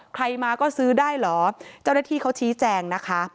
ใครมาก็ซื้อได้เหรอเจ้าหน้าที่เขาชี้แจงนะคะ